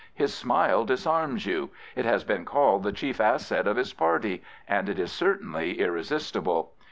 His smile disarms you. It h?is been called the chief asset of his party, ahcj it is certainly irresis tible.